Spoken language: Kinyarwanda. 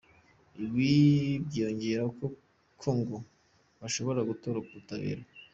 Ibi byiyongeraho ko ngo bashobora gutoroka ubutabera.